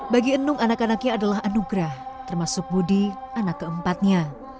bagi enung anak anaknya adalah anugrah termasuk budi anak keempatnya